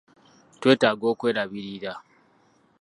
Twetaaga okwerabirira.